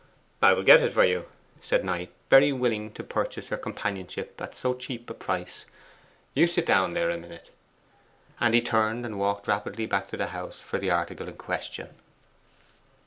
'I will get it for you,' said Knight, very willing to purchase her companionship at so cheap a price. 'You sit down there a minute.' And he turned and walked rapidly back to the house for the article in question.